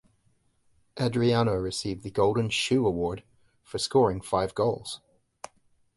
Adriano received the Golden Shoe award for scoring five goals.